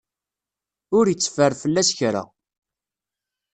Ur iteffer fell-as kra.